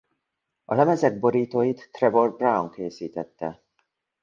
A lemezek borítóit Trevor Brown készítette.